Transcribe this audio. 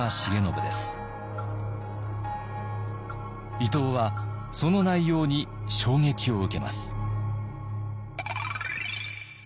伊藤はその内容に衝撃を受けます。